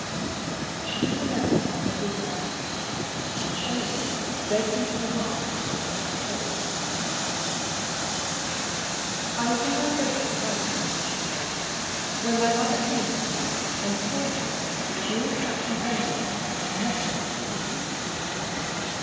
She took a letter from her bosom; and, showing it, begged him to remark that it was not closed. "I was in my bedroom writing," she said, "When my mother came to me and told me that you and Captain Bennydeck had met in my sitting room.